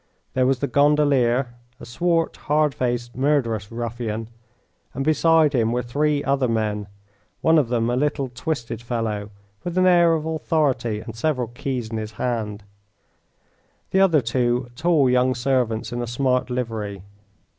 There was the gondolier, a swart, hard faced, murderous ruffian, and beside him were three other men, one of them a little, twisted fellow with an air of authority and several keys in his hand, the other two tall young servants in a smart livery.